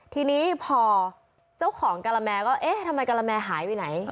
ทีนี้พอเจ้าของกะละแมก็เอ๊ะทำไมกะละแมหายไปไหน